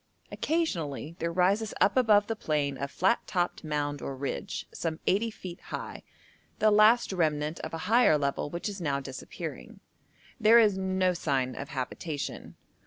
Occasionally there rises up above the plain a flat topped mound or ridge, some 80 feet high, the last remnant of a higher level which is now disappearing. There is no sign of habitation.